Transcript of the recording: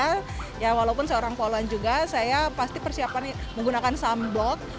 seperti cewek cewek pada biasanya walaupun seorang poluan juga saya pasti persiapkan menggunakan sunblock